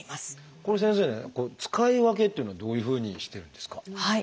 これ先生ね使い分けっていうのはどういうふうにしてるんですか？